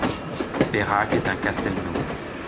Berrac est un castelnau.